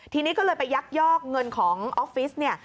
ทีนี้ก็เลยไปยักยอกเงินของออฟฟิศเนี่ย